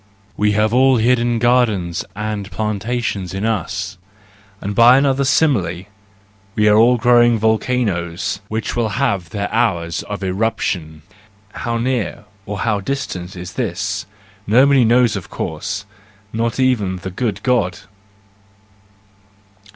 We have all hidden gardens and plantations in us; and by another simile, we are all growing volcanoes, which will have their hours of eruption:—how near or how distant this is, nobody of course knows, not even the good God.